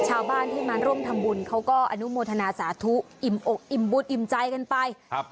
ชาวบ้านที่มาร่วมทำบุญเขาก็อนุโมทนาสาธุอิ่มอกอิ่มบุญอิ่มใจกันไปครับ